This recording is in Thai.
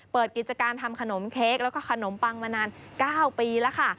เปิดกิจการทำขนมเค้กแล้วก็ขนมปังมานาน๙ปีแล้วค่ะ